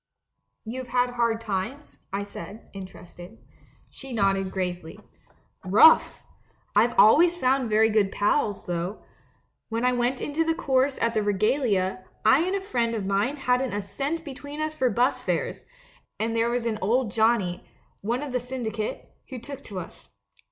" 'You've had hard times?' I said, interested. "She nodded gravely. 'Rough! I've always found very good pals, though. When I went into the chorus at the Regalia, I and a friend of mine hadn't a cent between us for bus fares ; and there was an old Johnnie — one of the syndicate — who took to us.